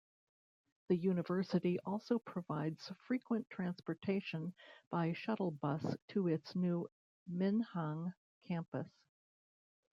The University also provides frequent transportation by shuttle bus to its new Minhang Campus.